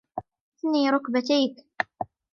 اثني ركبتيك.